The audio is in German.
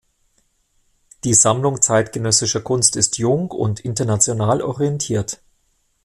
Die Sammlung zeitgenössischer Kunst ist jung und international orientiert.